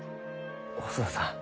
細田さん